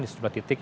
di sejumlah titik